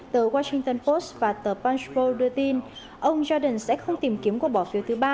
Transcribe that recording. tờ washington post và tờ polstro đưa tin ông jordan sẽ không tìm kiếm cuộc bỏ phiếu thứ ba